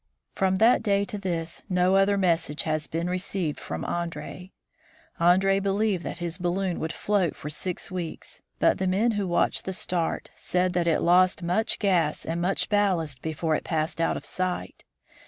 From that day to this, no other message has been received from Andree. Andree believed that his balloon would float for six weeks, but the men who watched the start, said that it lost much gas and much ballast before it passed out of sight.